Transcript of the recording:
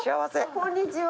こんにちは。